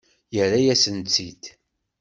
Yerra-yasen-tt-id.